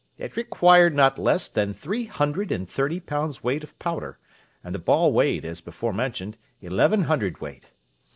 It required not less than three hundred and thirty pounds' weight of powder, and the ball weighed, as before mentioned, eleven hundredweight.